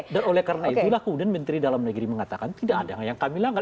dan oleh karena itulah kemudian menteri dalam negeri mengatakan tidak ada yang kami langgar